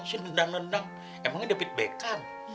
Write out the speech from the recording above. masa sih mendang mendang emangnya debit bekan